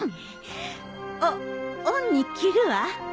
お恩に着るわ。